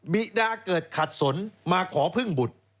ิดาเกิดขัดสนมาขอพึ่งบุตร